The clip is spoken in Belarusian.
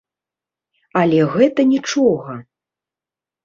Але гэта нiчога...